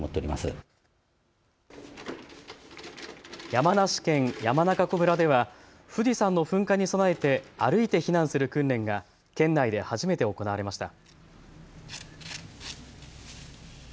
山梨県山中湖村では富士山の噴火に備えて歩いて避難する訓練が県内で初めて行われました。